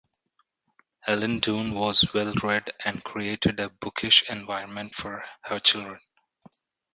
Ellen Dunne was well-read, and created a bookish environment for her children.